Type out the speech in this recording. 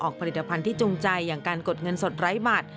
ออกผลิตภัณฑ์ที่จุงใจอย่างการกดเงินสด๑๐๐บาท